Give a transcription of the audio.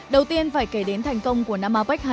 đầu tiên phải kể đến thành công của năm hai nghìn một mươi bảy